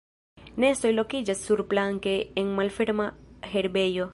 Nestoj lokiĝas surplanke en malferma herbejo.